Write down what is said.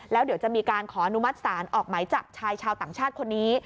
แล้วเดี๋ยวจะมีการขออนุมัติศาลออกไหมจับชายชาวต่างชาติคนนี้